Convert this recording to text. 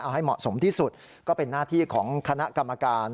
เอาให้เหมาะสมที่สุดก็เป็นหน้าที่ของคณะกรรมการ